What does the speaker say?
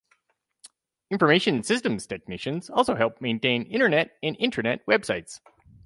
Information systems technicians also help maintain Internet and Intranet websites.